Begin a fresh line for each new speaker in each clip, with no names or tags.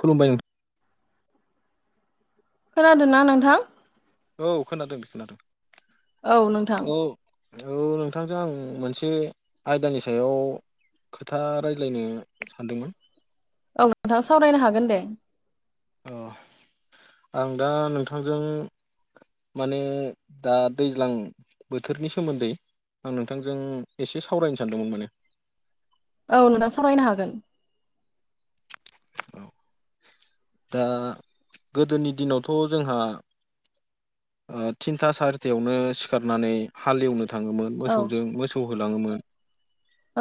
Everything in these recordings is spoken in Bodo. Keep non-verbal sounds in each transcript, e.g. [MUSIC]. खुलुमबायाय नो
खोनादों ना नोंथां?
औ खोनादों खोनादों।
औ नोंथां।
औ औ नोंथांजों आं मोनसे आयदानि सायाव खोथा रायज्लायनो सानदोंमोन।
औ नोंथाङा सावरायनो हागोन दे।
अ आं दा नोंथांजों। माने दा दैज्लां बोथोरनि सोमोन्दै आं नोंथांजों एसे सावरायनो सानदोंमोन माने।
औ नोंथां सावरायनो हागोन।
औ दा गोदोनि दिनावथ' जोंहा ओ थिनथा सारिथायावनो सिखारनानै हालेवनो थाङोमोन
औ
मोसौजों मोसौ होलाङोमोन।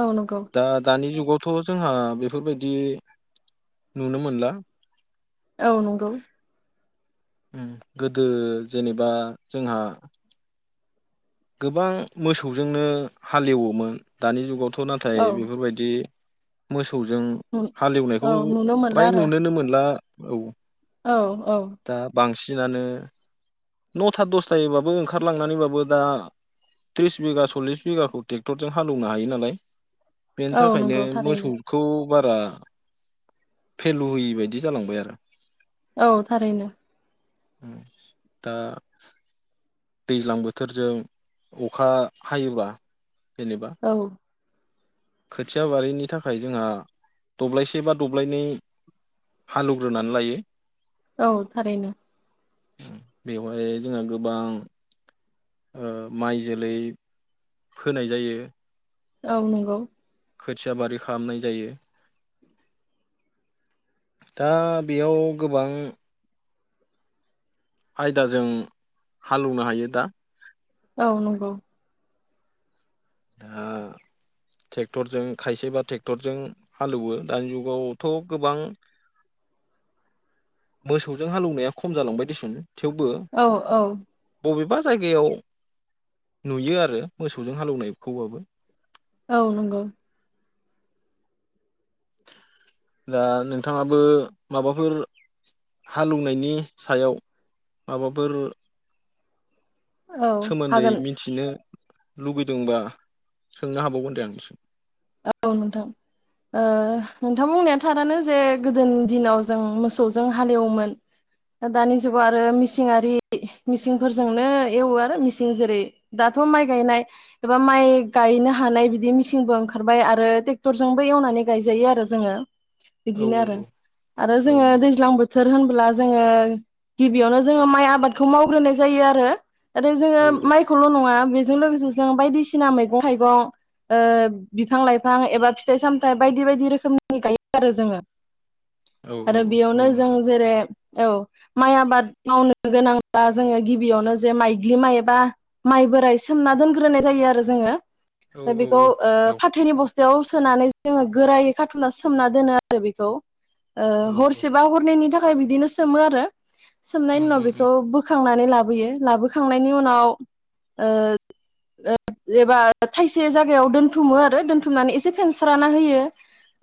औ नंगौ
दा दानि जुगाव थ' जोंहा बेफोरबायदि नुनो मोनला।
औ नंगौ।
उम गोदो जेनेबा जोंहा गोबां मोसौजोंनो हालेवोमोन दानि जुगाव थ'
औ
नाथाय बेफोरबायदि मोस सौजों
औ
हालेवनायखौ
नुनो मोनला
फ्राय
आरो
नुनोनो मोनला। औ।
औ औ।
दिनानो नथा दसथायैबाबो ओंखारलांनानैबाबो दा थ्रिस बिगा सल्लिस बिगाखौ ट्रेक्टरजों हालोवनो हायो नालाय। बेनि
औ
थाखायनो
नंगौ थारैनो
मोसौखौ बारा फेलु होयि बायदि जालांबाय आरो।
औ थारैनो।
दा दैज्लां बोथोरजों अखा हायोबा जेनेबा।
औ
खोथिया बारिनि थाखाय जोंहा दब्लायसे बा दब्लायनै हालेवग्रोनानै लायो।
औ थारैनो।
बेवहाय जोंहा गोबां ओ माइ जोलै फोनाय जायो।
औ नंगौ।
खोथिया बारि खालामनाय जायो। दा बेयाव गोबां आयदाजों हालोवनो हायो दा।
औ नंगौ।
आ टेक्टरजों खायसेबा टेक्टरजों हालोवो दानि जुगावथ' गोबां मोसौजों हालौनाया खम जालांबाय दिसुन। थेवबो
औ औ
बबेबा जायगायाव नुयो आरो मोसौजों हालौनायखौबाबो।
औ नंगौ
दा नोंथाङाबो माबाफोर हालौनायनि सायाव माबाफोर
औ
सोमोन्दै
हागोन
मिनथिनो लुगैदोंबा सोंनो हाबावगोन दे आं निसिम
औ नोंथां ओ नोंथां बुंनाया थारानो जे गोदोनि दिनाव जों मोसौजों हालेवोमोन दा दानि जुगाव आरो मिचिंङारि मिचिंफोरजोंनो एवो आरो मिचिं जेरै दाथ' माइ गायनाय एबा माइ गायनो हानाय बिदि मिचिंबो ओं खारबाय आरो टेक्टरजोंबो एवनानै गायजायो आरो जोङो।
औ
बिदिनो आरो आरो जोङो दैज्लां बोथोर होनब्ला जोंङो गिबियावनो जोंङो माइ आबादखौ मावग्रोनाय जायो आरो आरो
औ
जोंङो माइखौल' नङा बे जों लोगोसे जों बायदिसिना मैगं थाइगं ओ बिफां लाइफां एबा फिथाइ सामथाइ बायदि बायदि रोखोमनि गायो आरो जोंङो।
औ औ
आरो
औ
बेयावनो जों
नोंथां
जेरै औ माइ आबाद मावनो गोनांब्ला जोङो गिबियावनो जे माइग्लि माइ एबा माइ बोराइ सोमना दोनग्रोनाय जायो आरो जोङो। [UNINTELLIGIBLE]
औ
फ्राय
औ
बेखौ
औ
ओ बस्थायाव सोनानै जोङो गोरायै खाथुमना सोमना दोनो आरो बेखौ
औ
ओ
औ
हरसेबा हरनैनि थाखाय बिदिनो सोमो आरो सोमनायनि
उम
उनाव
उम उम
बेखौ [UNINTELLIGIBLE] बोखांनानै लाबोयो लाबोखांनायनि उनाव ओ एबा थाइसे जागायाव दोनफै दोनथुमो आरो दोनथुमनानै एसे फेनस्राना होयो।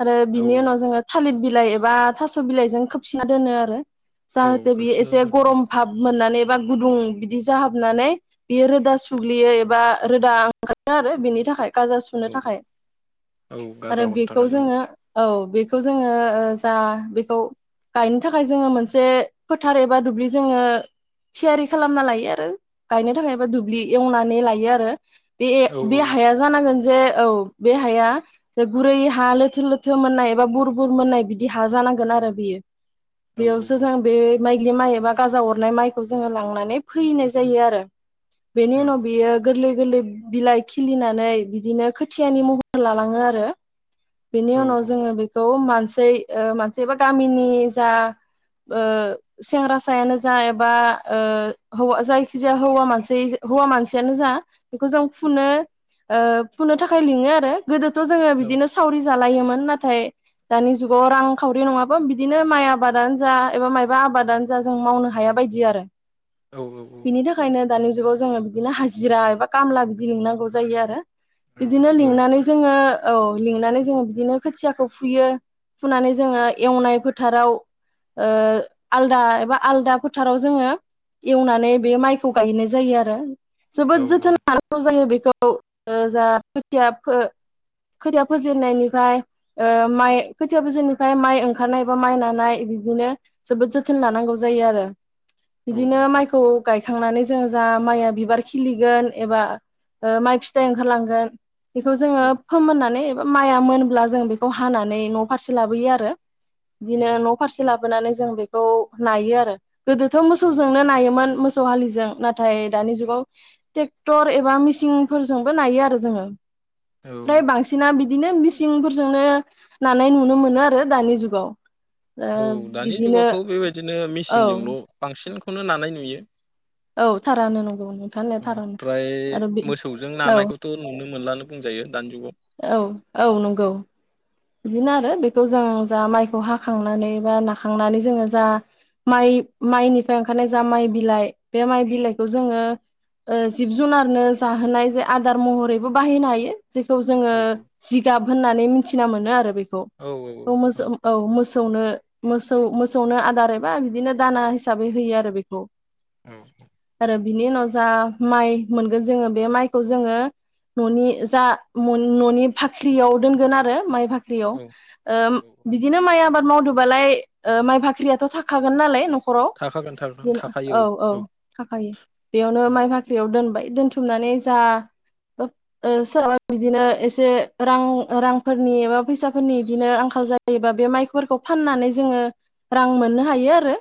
आरो
औ
बिनि उनाव जोङो। थालिर बिलाइ एबा थास बिलाइजों खोबसिना दोनो आरो।
औ
जाहाथे बियो
खोबसिनना
एसे गरम
दोननांगौ
भाब मोननानै गुदुं बिदि जाहाबनानै बियो रोदा सुग्लियो एबा रोदा ओंखारो आरो बिनि थाखाय गाजा [UNINTELLIGIBLE]
औ
थाखाय
औ औ गाजा
आरो
हरनो
बेखौ
थाखाय औ
जोङो औ [UNINTELLIGIBLE] बेखौ जोङो ओ जा बेखौ गायनो थाखाय जोङो मोनसे फोथार एबा दुब्लि जोङो थियारि खालामना लायो आरो गायनो थाखाय एबा दुब्लि एवनानै लायो आरो। बे
औ
बेे हाया जानांगोन। जे औ बे हाया जे गुरै हा लोथो लोथो मोननाय एबा बुर बुर मोननाय बिदि हा जानांगोन आरो बियो।
औ
बेयावसो जों बे माइग्लि माय गाजा हरनाय मायखौ जोङो लांनानै फोहैनाय जायो आरो। बेनि
औ
उनाव बियो गोरलै। गोरलै बिलाइ खिलिनानै बिदिनो खोथियानि महर लालाङो आरो। बेनि
औ
उनाव जोङो बेखौ खौ मानसै ओ बा गामिनि जा ओ सेंग्रासायानो जा एबा ओ हौ जायखि जाया हौवा मानसि हौवा मानसि मानसियानो जा बेखौ जों फुनो ओ फुनो थाखाय लिङो आरो गोदो थ जोङो बिदिनो सावरि जालायोमोन नाथाय दानि जुगाव रांखावरि नङाबा बिदिनो माय आबादानो जा एबा मायबा आबादानो जा जों मावनो हाया बायदि आरो।
औ औ औ।
बिनि थाखायनो दानि जुगाव जोङो बिदिनो हाजिरा एबा खामला बिदि लिंनांगौ जायो आरो। बिदिनो
औ
लिंनानै जोङो औ लिंनानै जोङो बिदिनो खोथियाखौ फुयो फुनानै जोङो एवनाय फोथाराव ओ आलदा एबा आलदा फोथाराव जोङो एवनानै बे मायखौ गायनाय जायो आरो। जोबोद जोथोन
औ
लानांगौ जायो बेखौ [INAUDIBLE] ओ जा खोथिया फो खोथिया फोजेननायनिफ्राय ओ माय खोथिया फोजेननायनिफ्राय माय ओंखारनाय बा माय नानाय बिदिनो जोबोद जोथोन लानांगौ जायो आरो। बिदिनो माइखौ गाय थांनानै जोङो जा माया बिबार खिलिगो एबा ओ माय फि थाइ ओंखारलांगोन। बेखौ जोङो फोमोननानै माया मोनब्ला जों बेखौ हानानै न फारसे लाबोयो आरो। बिदिनो न फारसे लाब लाबोनानै जों बेखौ नायो आरो। गोदोथ मोसौजोंनो नायोमोन मो मोसौ हालिजों नाथाय दानि जुगाव ट्रेकटर एबा मिचिं फोरजोंबो नायो आरो जोङो। फ्राय बांसिना बिदि बिदिनो मिसिंफोरजोंनो नानाय नुनो मोनो आरो दानि जुगाव। ओ
औ दानि
बिदिनो
जुगावथ' बेबायदिनो
औ
मेसिनजोंल' बांसिन बांसिनखौनो नानाय नुयो।
औ थारैनो नंगौ नोंथां
औ
थारैनो
ओमफ्राय
आरो बे
मोसौजों
औ।
नानायखौथ' नुनो मोनलानो बुंजायो। दानि जुगाव
औ औ नंगौ। बिदिनो आरो बेखौ जों जा माइखौ हाखांनानै बा नाखांनानै जोङो जा माइ माइनिफ्राय ओंखारनाय जा माइ बिलाइ बे माइ बिलाइखौ जोङो ओ जिब जुनारनो जाहोनाय जे आदार महरैबो बाहायनो हायो। जेखौ जोङो
औ
जिगाब होननानै मिथि मिथिना मोनो आरो बे खौ औ मोसौ औ मोसौनो मोसौ मोसौनो आदार एबा बिदिनो दाना हिसाबै होयो आरो बेखौ।
ओम
बिनि उनाव जा माइ मोनगोन जोङो बे माइखौ जोङो न'नि जा न'नि फाख्रियाव दोनगोन आरो माइ बा दैयाव
औ औ औ
ओ
औ
बिदिनो माइ आबाद मावदोबालाय ओ माइ बाख्रियाथ' थाखागोन नालाय न'खराव
थाखागोन थाखागोन
बिदि
थाखायो
औ औ खाफायो बेयावनो माइ फाख्रियाव दोनबाय। दोनथुमनानै जा ओ सोरहाबा बिदिनो एसे रां-रां फोरनि एबा फैसाफोरनि बिदिनो आंखाल जायोबा बे माइफोरखौ फाननानै जोङो रां मोननो हायो आरो।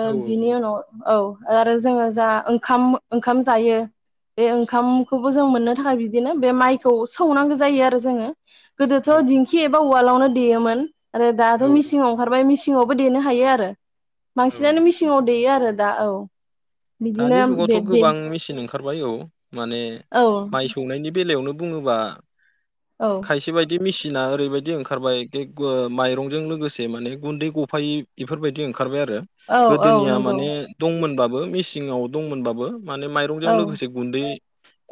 ओ
औ
बिनि उनाव औ। आरो जोङो जा ओंखाम ओंखाम जायो बे ओंखामखौबो जों मोननो थाखाय बिदिनो बे माइखौ सौनांगौ जायो आरो जोङो। [INAUDIBLE] गोदोथ'
औ
दिंखि एबा उवालावनो देयोमोन। आरो
औ
दाथ' मिसिं ओंखारबाय मिसिं मिसिङावबो देनो हायो आरो। बांसिनानो
औ
मेसिंङाव देयो आरो। दा औ बिदिनो
दानि
बे
जुगावथ'
दे
गोबां मिसिन ओंखा खारबाय औ माने
औ
माइ सौनायनि बेलायावनो बुङोबा
औ
खायसे बायदि मेसिना ओरैबायदि ओंखारबाय बे [UNINTELLIGIBLE] माइरंजों लोगोसे माने गुन्दै गफायै बेफोरबायदि ओंखार खारबाय आरो
औ औ
गोदोनाया
नंगौ
माने दंमोन बाबो बो मिस सिङाव दंमोनबाबो माने माइरंजों
औ
लोगोसे गुन्दै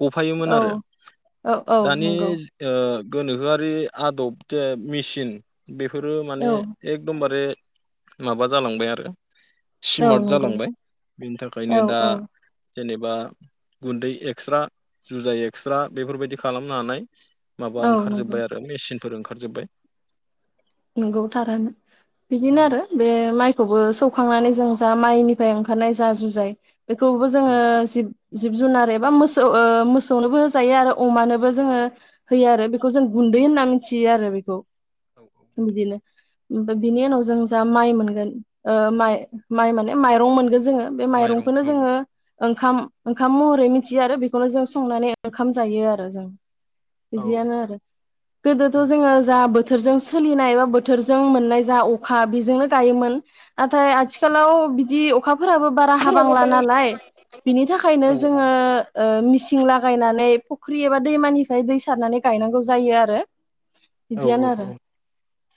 गफायोमोन
औ
आरो।
औ औ
दानि
नंगौ
जि ओ गोनोहोआरि आदब जे मिसिन बेफोरो
औ
माने एकदमबारे माबा जालांबाय आरो
औ
सिमार्ट
नंगौ
जालांबाय बेनि थाखा खायनो
औ
दा
औ
जेनेबा गुन्दै एक्स्रा जुजाय एक्स्रा बेफोरबायदि खालामनो हानाय माबा
औ नंगौ
ओंखारजोबबाय आरो मेसिन। फोर ओंखारजोब्बाय।
नंगौ थारानो बिदिनो आरो बे माइखौबो सौखांनानै जों जा माइनिफ्राय ओंखारनाय जा जुजाय बेखौबो जोंङो
औ
जिब जिब जुनार एबा मोसौ ओ मोसौनोबो होजायो आरो अमानोबो जोंङो होयो आरो बेखौ जों गुन्दै होनना मिथियो आरो बेखौ।
औ।
बिदिनो ओमफ्राय बिनि उनाव जों जा माइ मोनगोन ओ माइ-माइ माने माइरं मोनगोन जोंङो बे
माइरं
माइरंखौनो
औ
जोंङो ओंखाम-ओंखाम महरै मिथियो आरो बेखौनो जों संनानै ओंखाम जायो आरो जों।
औ
बिदियानो आरो गोदोथ' जोंङो जा बोथोर बोथोरजों सो सोलिनाय बा बोथोरजों मोननाय जा अखा बेजोंनो गायोमोन नाथाय आथिखालाव बिदि अखा फोराबो बारा हाबांला नालाय बिनि थाखायनो
औ
जोंङो ओ मिस सिं लागायनानै फुख्रि एबा दैमानिफ्राय दै सारनानै गायनांगौ जायो आरो। बिदियानो
औ
आरो।
औ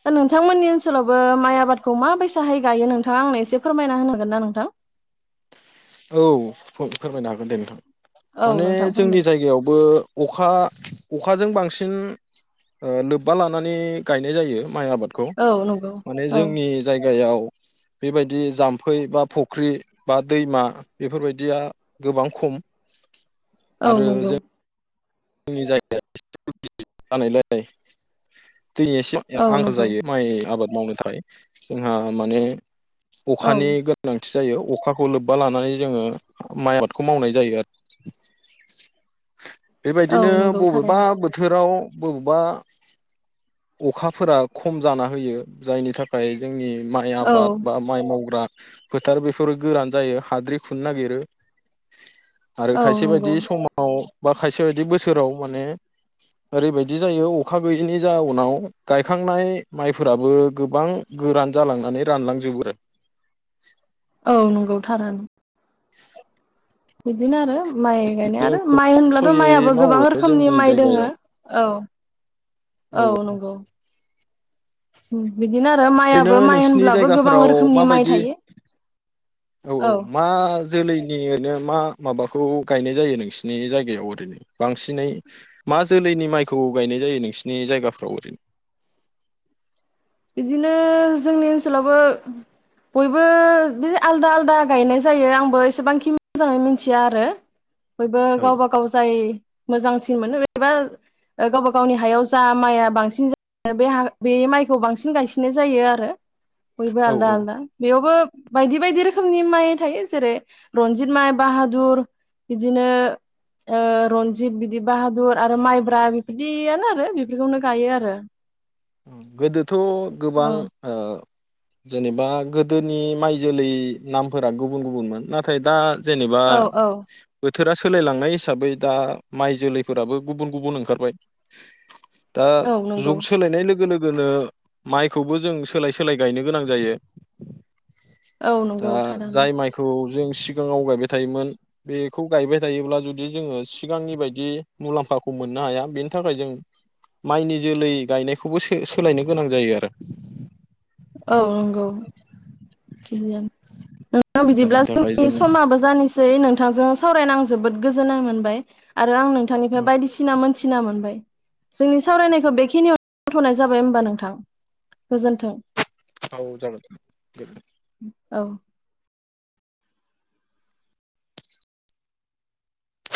दा नोंथांमोननि ओनसोलावबो माइ आबादखौ माबायसाहाय गायो नोंथांङा आंनो एसे फोरमायना होनो हांगोन ना नोंथां?
औ फो-फोरमायनो हागोन दे नोंथां
औ
माने
नोंथां
जोंनि
फोरमाय
जायगायावबो अखा-अखाजों बांसिन ओ लोब्बा लानानै गायनाय जायो। माइ आबादखौ
औ नंगौ
माने
औ
जोंनि जाय जायगायाव बेबायदि जाम्फै बा फुख्रि बा दैमा बेफोरबायदिया गोबां खम।
औ
आरो
नंगौ।
जोंनि जायगाया जानायलाय दैनिसिम
औ
आंखाल
नंगौ
जायो माइ आबाद [INAUDIBLE] मावनो थाखाय जोंहा माने
औ
अखानि गोनांथि। जायो अखाखौ लोब्बा लानानै जोंङो माइ आबादखौ मावनाय जायो आरो।
औ
बेबायदिनो
नंगौ
बबेबा
थारैनो
बोथोराव बबेबा अखाफोरा खम जाना होयो जायनि थाखाय जोंनि माइ
औ
आबाद बा माइ मावग्रा फोथार बेफोर गोरान जायो हाद्रि खुनो नागिरो आरो
औ
खायसे बायदि
नंगौ
समाव बा खायसे बायदि बोसोराव माने ओरैबायदि जायो अखा गैयैनि जाउनाव गायखांनाय माइफोराबो गोबां गोरान जालांनानै रानलांजोबो आरो
औ नंगौ थारानो
[INAUDIBLE]
बिदिनो आरो माइ गायनाय आरो माइ होनब्लाथ'
खस्थ'यै
माइयाबो
मावो
गोबां रोखोमनि
जोंनि
माइ दङ
जायगायाव
औ औ नंगौ। उम। बिदिनो आरो
ओरैनो
माइआो माइ
नोंसिनि
होनब्लाबो गोबां
जायगाफोराव
रोखोमनि माइ
माबायदि
थायो औ।
जोलैनि ओरनो मा माबाखौ गायनाय जायो नोंसिनि जायगायाव ओरैनो बांसिनै मा जोलैनि माइखौ गायनाय जायो नोंसोरनि जायगाफ्राव ओरैनो
बिदिनो जोंनि ओनसोलावबो बयबो आलदा आलदा गायनाय जायो आंबो एसेबांखि मोजाङै मिथिया आरो बयबो
औ
गावबा गाव जाय। मोजांसिन मोनो बेबा गावबा गावनि हायाव जा माइया बांसिन जायो बे माइ खौ बांसिन गायसिननाय जायो आरो। बयबो
औ
आलदा
औ
आलदा बेयावबो बायदि बायदि रोखोमनि माइ थायो जेरै रनजित माइ बाहादुर बिदिनो ओ रनजित बिदि बाहादुर आरो माइब्रा बेफोरदियानो आरो बेफोरखौनो गायो आरो
गोदो थ' गोबां
औ
ओ जेनेबा गोदोनि माइ जोलै नामफोरा गुबुन गुबुनमोन नाथाय दा जेनेबा
औ औ
बो बोथोरा सोलायलांनाय हिसाबै दा माइ जोलैफोराबो गुबुन गुबुन ओंखारबाय। दा
औ नंगौ
जुग सोलायनाय लोगो लोगो लोगोनो माइखौबो जों सोलाय सोलाय गायनो गोनां जायो।
औ नंगौ
दा
थारानो
जाय माइखौ जों सिगाङाव गायबाय थायोमोन बेखौ गायबाय थायोब्ला जुदि जोङो सिगांनि बायदि मुलाम्फाखौ मोननो हाया बेनि थाखाय जों माइनि जोलै गायनाय खौबो सोलायनो गोनां जायो आरो।
औ नंगौ। बिदिब्ला
जायनि थाखाय
जोंनि
जों
समाबो जानिसै सै नोंथांजों सावरायनो आं जोबोद गोजोन्नाय मोनबाय आरो आं नोंथांनिफ्राय बायदिसिना मोन थिना मोनबाय जोंनि सावरायनायखौ बेखिनियाव दोनथ'नाय जाबाय हबा नोंथां गोजोन्थों।
औ जागोन।
औ।